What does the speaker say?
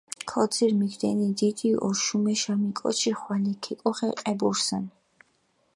ქოძირჷ მიგდენი დიდი ოშუმეშამი კოჩი ხვალე ქეკოხე ყებურსჷნი.